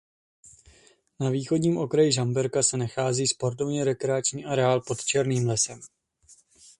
Na východním okraji Žamberka se nachází sportovně rekreační areál Pod Černým lesem.